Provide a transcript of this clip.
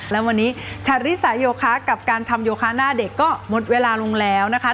และวันนี้ชาริสายโยคะกับการทำโยคะหน้าเด็กก็หมดเวลาลงแล้วนะคะ